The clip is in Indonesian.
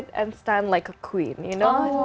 duduk dan berdiri seperti perempuan